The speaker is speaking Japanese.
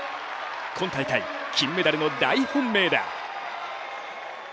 今大会、金メダルの大本命だ。